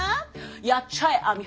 やっちゃえ網浜。